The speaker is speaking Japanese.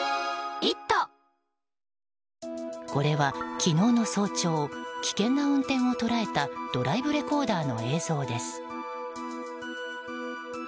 これは昨日の早朝危険な運転を捉えたドライブレコーダーの映像です。